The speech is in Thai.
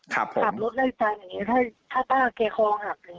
ขับรถไล่จานอย่างนี้ถ้าป้าเก๊คลองหักอย่างนี้